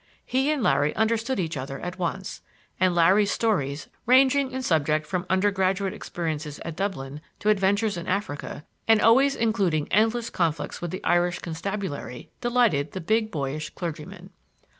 He and Larry understood each other at once, and Larry's stories, ranging in subject from undergraduate experiences at Dublin to adventures in Africa and always including endless conflicts with the Irish constabulary, delighted the big boyish clergyman.